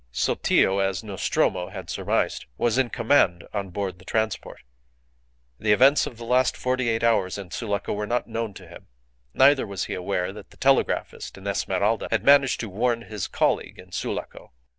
Sotillo, as Nostromo had surmised, was in command on board the transport. The events of the last forty eight hours in Sulaco were not known to him; neither was he aware that the telegraphist in Esmeralda had managed to warn his colleague in Sulaco.